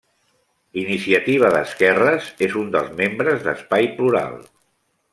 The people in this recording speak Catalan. Iniciativa d'Esquerres és un dels membres d'Espai plural.